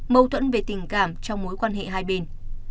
mâu thuẫn về tình cảm trong mối quan hệ hai bên